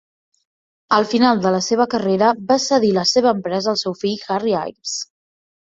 Al final de la seva carrera, va cedir la seva empresa al seu fill, Harry Ives.